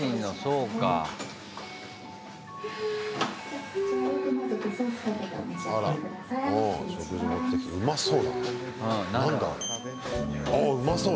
うまそう！